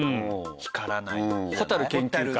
光らない。